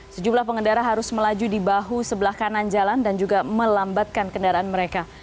sejumlah pengendara harus melaju di bahu sebelah kanan jalan dan juga melambatkan kendaraan mereka